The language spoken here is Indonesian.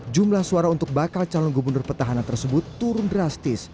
jumlah suara untuk bakal calon gubernur petahana tersebut turun drastis